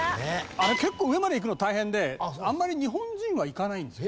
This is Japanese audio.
あれ結構上まで行くの大変であんまり日本人は行かないんですよ。